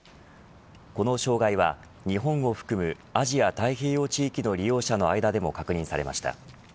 この障害は、日本を含むアジア太平洋地域の利用者の間でも確認されました。